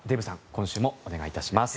今週もお願いします。